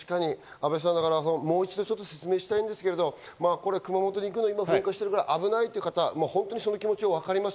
阿部さん、もう一度説明したいんですけど、熊本に行くのに噴火しているから危ないという方、気持ちはわかります。